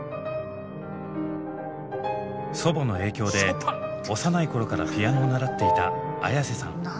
祖母の影響で幼い頃からピアノを習っていたＡｙａｓｅさん。